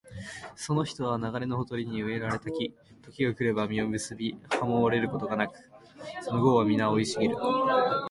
その人は流れのほとりに植えられた木、時が来れば実を結び、葉もしおれることがなく、その業はみな生い茂る